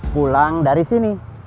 pulang dari sini